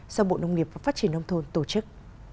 do bộ nông nghiệp và phát triển nông thôn tổ chức